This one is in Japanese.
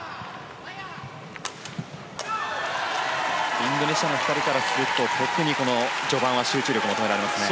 インドネシアの２人からすると特に序盤は集中力が求められますね。